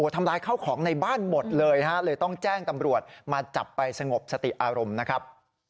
ทำร้ายข้าวของในบ้านหมดเลยเลยต้องแจ้งตำรวจมาจับไปสงบสติอารมณ์นะครับ